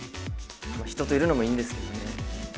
人といるのもいいんですけどね。